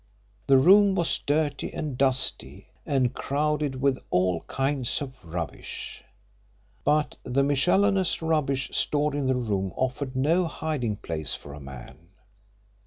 The room was dirty and dusty and crowded with all kinds of rubbish. But the miscellaneous rubbish stored in the room offered no hiding place for a man.